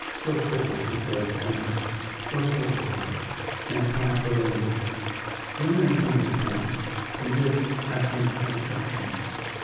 "Go forward," he said, faintly; "go forward, Gordon, and apprise the ladies. Women are tender plants, and this, I think, will shock them."